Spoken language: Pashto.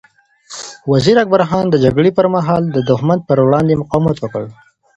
وزیر اکبر خان د جګړې پر مهال د دښمن پر وړاندې مقاومت وکړ.